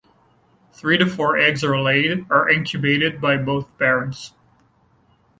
Three to four eggs are laid are incubated by both parents.